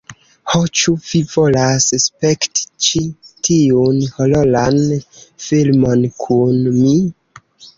"Ho, ĉu vi volas spekti ĉi tiun hororan filmon kun mi?